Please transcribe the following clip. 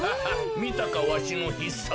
みたかわしのひっさつだま。